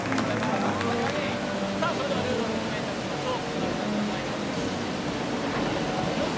ルールを説明いたしましょう。